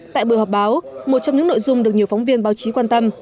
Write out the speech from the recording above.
tại buổi họp báo một trong những nội dung được nhiều phóng viên báo chí quan tâm